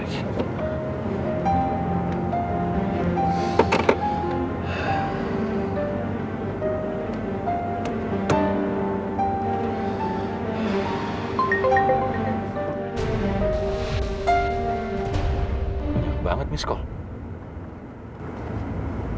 banyak sekali panggilan panggilan